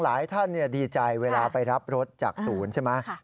หลายท่านดีใจเวลาไปรับรถจากศูนย์ใช่ไหม